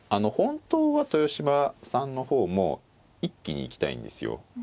本当は豊島さんの方も一気に行きたいんですよ。